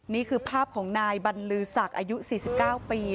นี่คือภาพของนายบรรลือศักดิ์อายุ๔๙ปี